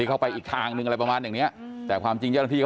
ที่เข้าไปอีกทางนึงอะไรประมาณอย่างเนี้ยแต่ความจริงเขา